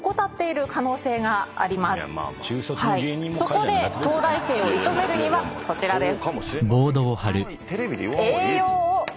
そこで東大生を射止めるにはこちらです。